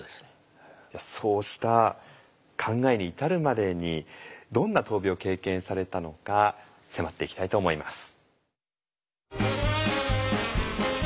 そうした考えに至るまでにどんな闘病を経験されたのか迫っていきたいと思います。